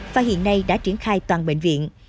và hiện nay đã triển khai toàn bệnh viện